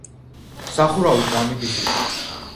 სახურავი კრამიტის იყო.